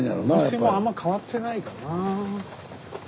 お店もあんま変わってないかな。